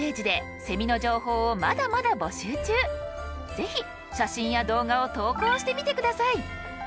ぜひ写真や動画を投稿してみて下さい。